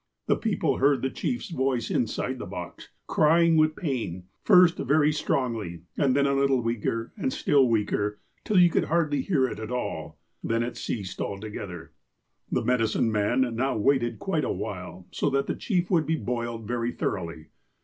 The people heard the chief's voice inside the box, crying with pain, first very strongly, and then a little weaker, and still weaker, till you could hardly hear it at all. Then it ceased altogether. The medicine man now waited quite a while, so that the chief would be boiled very thoroughly.